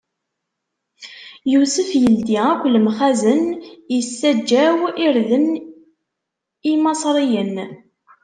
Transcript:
Yusef ildi akk lemxazen, issaǧaw irden i Imaṣriyen.